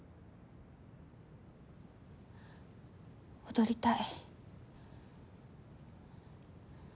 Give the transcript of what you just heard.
踊りたい。